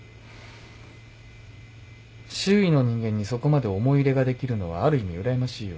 周囲の人間にそこまで思い入れができるのはある意味うらやましいよ。